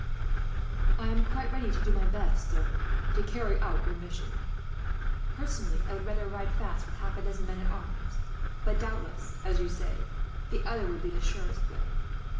"I am quite ready to do my best, sir, to carry out your mission. Personally I would rather ride fast, with half a dozen men at arms; but doubtless, as you say, the other would be the surest way.